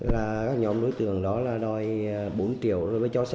là các nhóm đối tượng đó là đòi bốn triệu rồi mới cho xe ra